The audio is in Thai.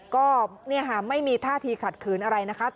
ก็ไม่มีท่าทีขัดขืนอะไรนะคะ